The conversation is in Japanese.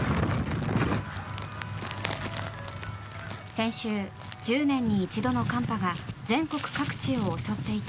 先週、１０年に一度の寒波が全国各地を襲っていた